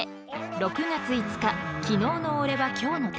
６月５日「昨日のおれは今日の敵」。